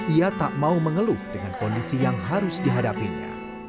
ia tak mau mengeluh dengan kondisi yang harus dihadapinya